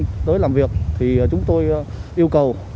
đối với làm việc thì chúng tôi yêu cầu